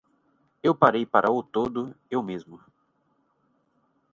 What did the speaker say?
Eu parei para o todo eu mesmo.